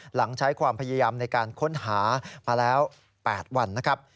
หลังใช้ความพยายามในการค้นหามาแล้ว๘วันนะครับ